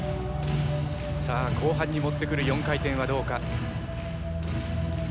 さあ後半に持ってくる４回転はどうか。